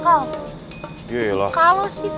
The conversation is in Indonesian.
kalau dia jelas banget tuh ngindarin kita